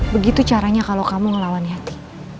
begitu caranya kalo kamu ngelawan yati